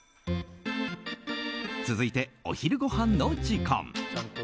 続いて、お昼ごはんの時間。